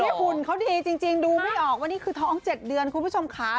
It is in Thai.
หุ่นเขาดีจริงดูไม่ออกว่านี่คือท้อง๗เดือนคุณผู้ชมค่ะ